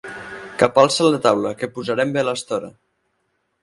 Capalça la taula, que posarem bé l'estora.